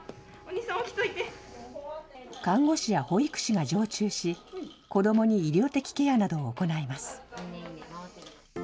看護師や保育士が常駐し、子どもに医療的ケアなどを行います。